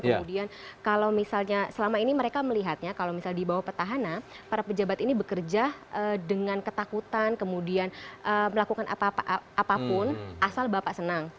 kemudian kalau misalnya selama ini mereka melihatnya kalau misalnya di bawah petahana para pejabat ini bekerja dengan ketakutan kemudian melakukan apapun asal bapak senang